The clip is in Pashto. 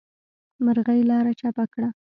مرغۍ لاره چپه کړه.